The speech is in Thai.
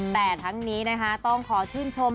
แต่ทั้งนี้นะคะต้องขอชื่นชม